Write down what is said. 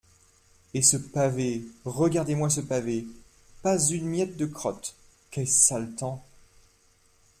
Et ce pavé… regardez-moi ce pavé !… pas une miette de crotte ! qué sale temps !